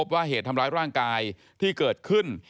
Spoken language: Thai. ว่าเหตุทำร้ายร่างกายที่เกิดขึ้น